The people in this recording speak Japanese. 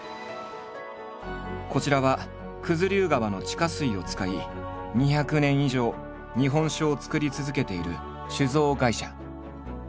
こちらは九頭竜川の地下水を使い２００年以上日本酒を造り続けている酒造会社。